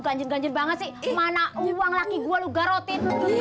ganjen ganjen banget sih mana uang laki gua lu garotin